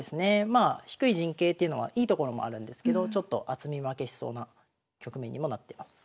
まあ低い陣形っていうのはいいところもあるんですけどちょっと厚み負けしそうな局面にもなってます。